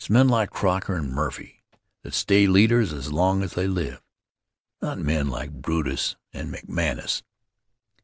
It's men like Croker and Murphy that stay leaders as long as they live; not men like Brutus and McManus.